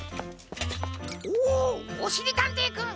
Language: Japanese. おおしりたんていくん！